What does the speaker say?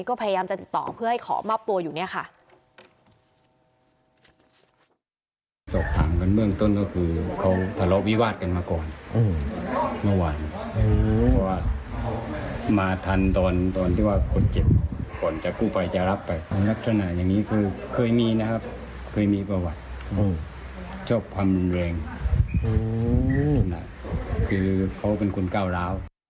ก็พยายามจะติดต่อเพื่อให้ขอมอบตัวอยู่เนี่ยค่ะ